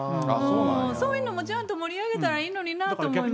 そういうのもちゃんと盛り上げたらいいのになって思います。